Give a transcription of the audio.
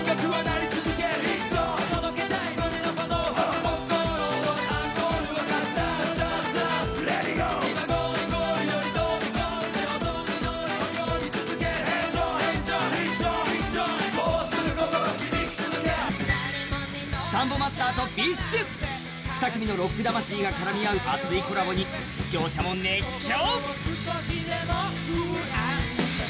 「クラフトボス」サンボマスターとＢｉＳＨ２組のロック魂が絡み合う熱いコラボに視聴者も熱狂。